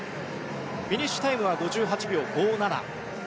フィニッシュタイムは５８秒５７。